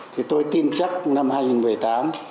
thì tôi tin chắc năm hai nghìn một mươi tám